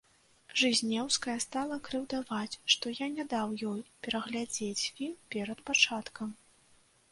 Жызнеўская стала крыўдаваць, што я не даў ёй пераглядзець фільм перад пачаткам.